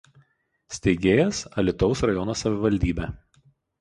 Steigėjas Alytaus rajono savivaldybė.